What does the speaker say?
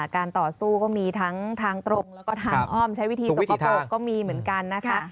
การต่อสู้ก็มีทั้งทางตรงแล้วก็ทางอ้อมใช้วิธีสกปรกก็มีเหมือนกันนะคะ